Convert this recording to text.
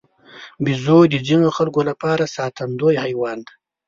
بیزو د ځینو خلکو لپاره ساتندوی حیوان دی.